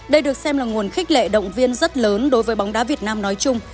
đây được xem là nguồn khích lệ động viên rất lớn đối với bóng đá việt nam nói chung